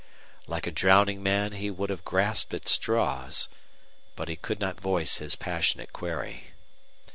Like a drowning man he would have grasped at straws, but he could not voice his passionate query.